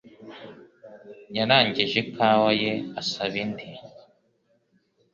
Yarangije ikawa ye asaba indi.